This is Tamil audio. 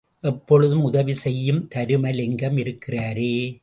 எப்பொழுதும் உதவி செய்யும் தருமலிங்கம் இருக்கிறாரே?